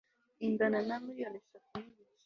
ingana na miliyoni eshatu nigice